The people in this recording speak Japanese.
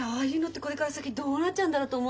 これから先どうなっちゃうんだろうと思う。